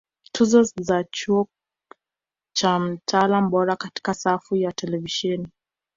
Tuzo za Chuo cha Mtaalam Bora Katika safu ya Televisheni